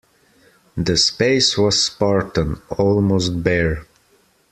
The space was spartan, almost bare.